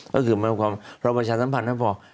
ก็คือมีความพระบาชาธรรมพันธ์ก็บอก